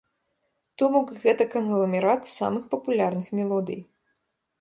То бок, гэта кангламерат самых папулярных мелодый.